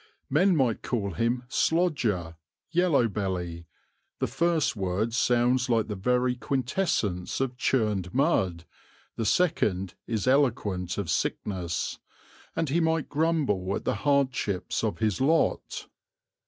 Men might call him "slodger," "yellow belly" the first word sounds like the very quintessence of churned mud, the second is eloquent of sickness and he might grumble at the hardships of his lot.